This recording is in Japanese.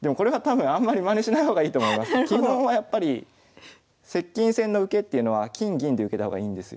でもこれは多分基本はやっぱり接近戦の受けっていうのは金銀で受けた方がいいんですよ。